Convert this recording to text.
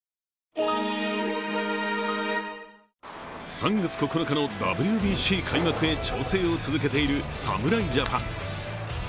３月９日のＷＢＣ開幕へ調整を続けている侍ジャパン。